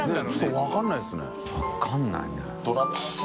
分からないね。